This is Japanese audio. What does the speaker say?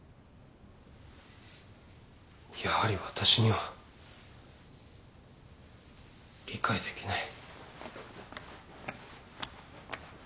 やはり私には理解できない。